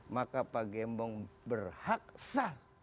maka pak gembong berhak sah